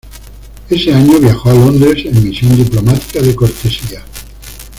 Ese año viajó a Londres en misión diplomática de cortesía.